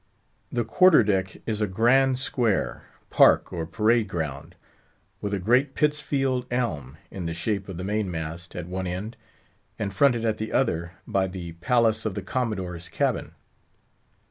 The quarter deck is a grand square, park, or parade ground, with a great Pittsfield elm, in the shape of the main mast, at one end, and fronted at the other by the palace of the Commodore's cabin.